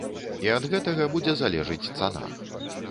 І ад гэтага будзе залежыць цана.